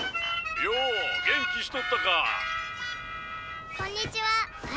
「よお元気しとったか」